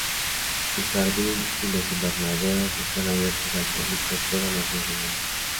El jardín y los invernaderos están abiertos al público todos los días del año.